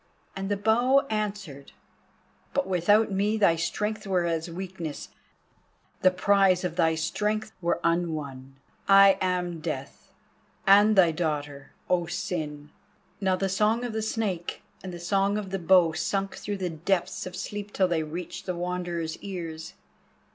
And the Bow answered: "But without me thy strength were as weakness, the prize of thy strength were unwon. I am Death, and thy Daughter, O Sin!" Now the song of the Snake and the song of the Bow sunk through the depths of sleep till they reached the Wanderer's ears.